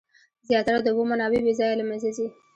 زیاتره د اوبو منابع بې ځایه له منځه ځي.